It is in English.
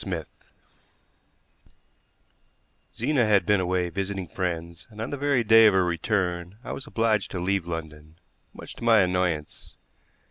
SMITH Zena had been away visiting friends and on the very day of her return I was obliged to leave London, much to my annoyance.